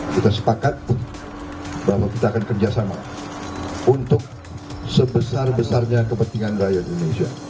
kita sepakat bahwa kita akan kerjasama untuk sebesar besarnya kepentingan rakyat indonesia